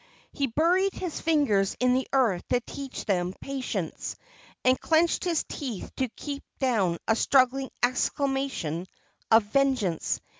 He buried his fingers in the earth to teach them patience, and clenched his teeth to keep down a struggling exclamation of vengeance.